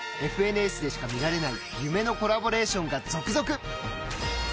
「ＦＮＳ」でしか見られない夢のコラボレーションが続々。